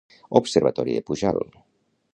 Observatori de Pujalt.